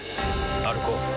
歩こう。